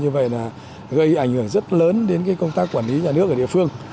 và gây ảnh hưởng rất lớn đến công tác quản lý nhà nước ở địa phương